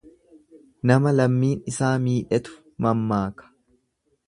Nama lammiin isaa miidhetu mammaaka.